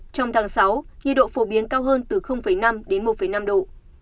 trong tháng sáu nhiệt độ phổ biến cao hơn từ năm đến một năm độ